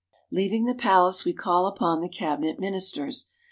Leaving the palace we call upon the Cabinet Ministers.